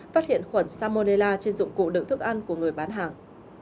phát hiện khuẩn salmonella trên dụng cụ đựng thức ăn của người bán hàng